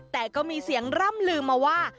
แต่ก็มีเสียงร่ำลืมมาว่า